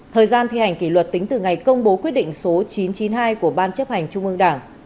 thời gian thi hành kỷ luật tính từ ngày công bố quyết định số chín trăm chín mươi hai của ban chấp hành trung ương đảng